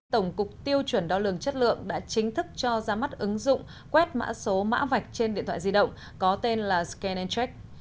tổng cục tiêu chuẩn đo lường chất lượng đã chính thức cho ra mắt ứng dụng quét mã số mã vạch trên điện thoại di động có tên là scan